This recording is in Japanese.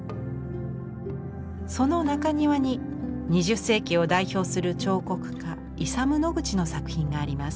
その中庭に２０世紀を代表する彫刻家イサム・ノグチの作品があります。